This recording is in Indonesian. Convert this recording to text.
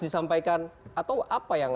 disampaikan atau apa yang